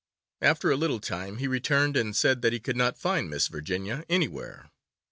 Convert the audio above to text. After a little time he returned and said that he could not find Miss Virginia anywhere.